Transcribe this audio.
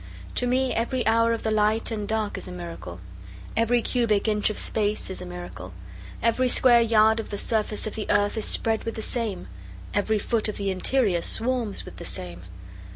To me every hour of the light and dark is a miracle, Every cubic inch of space is a miracle, Every square yard of the surface of the earth is spread with the same, Every foot of the interior swarms with the same.